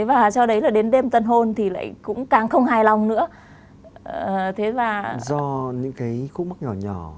bà cũng bất ngờ